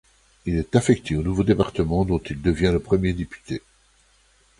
Il est affecté au nouveau département dont il devient le premier député.